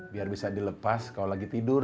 biar bisa dilepas kalau lagi tidur